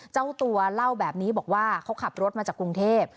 เจ้าตัวเล่าแบบนี้บอกว่าเขาขับรถมาจากกรุงเทพ